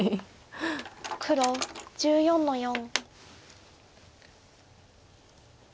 黒１４の四。